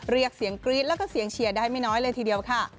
เรียกเสียงกรี๊ดแล้วก็เสียงเชียร์ได้ไม่น้อยเลยทีเดียวค่ะ